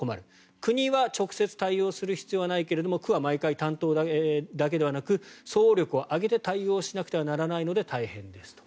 国は直接対応する必要はないけど区は毎回、担当だけではなく総力を挙げて対応しなくてはならないので大変ですと。